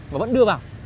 và vẫn đưa vào